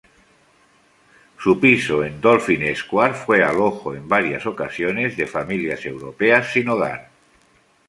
Su piso en Dolphin Square fue alojó en varias ocasiones familias europeas sin hogar.